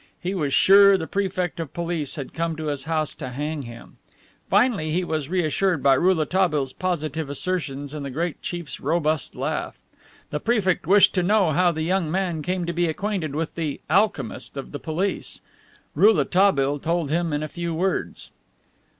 He was sure the Prefect of Police had come to his house to hang him. Finally he was reassured by Rouletabille's positive assertions and the great chief's robust laugh. The Prefect wished to know how the young man came to be acquainted with the "alchemist" of the police. Rouletabille told him in a few words.